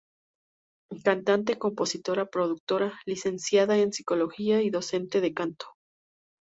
Cantante, compositora, productora, Licenciada en Psicología y docente de canto.